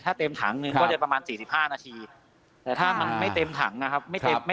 ถ้าเต็มถังหนึ่งก็จะประมาณ๔๕นาทีแต่ถ้ามันไม่เต็มถังนะครับ